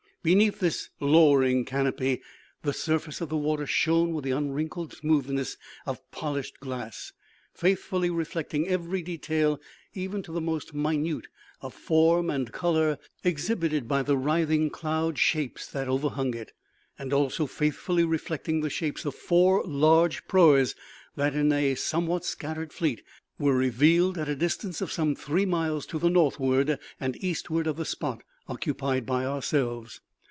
Beneath this louring canopy the surface of the water shone with the unwrinkled smoothness of polished glass, faithfully reflecting every detail, even to the most minute, of form and colour exhibited by the writhing cloud shapes that overhung it; and also faithfully reflecting the shapes of four large proas that, in a somewhat scattered fleet, were revealed at a distance of some three miles to the northward and eastward of the spot occupied by ourselves.